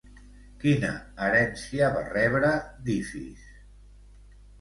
Quina herència va rebre d'Ífis?